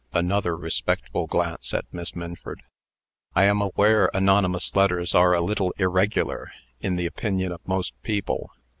(Another respectful glance at Miss Minford.) "I am aware anonymous letters are a little irregular, in the opinions of most people.